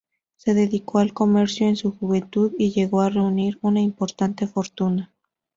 Se dedicó al comercio en su juventud y llegó a reunir una importante fortuna.